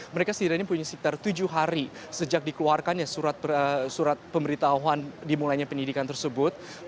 mereka setidaknya punya sekitar tujuh hari sejak dikeluarkannya surat pemberitahuan dimulainya pendidikan tersebut